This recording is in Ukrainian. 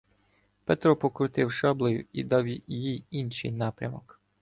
Петро покрутив шаблею і дав їй інший напрямок.